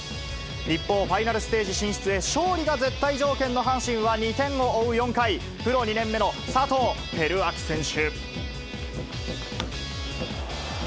一方、ファイナルステージ進出へ、勝利が絶対条件の阪神は２点を追う４回、プロ２年目の佐藤輝明選手。